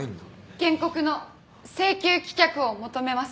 原告の請求棄却を求めます。